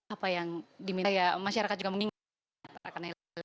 apa yang diminta ya masyarakat juga mengingat